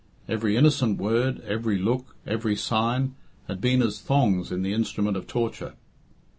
Every innocent word, every look, every sign, had been as thongs in the instrument of torture.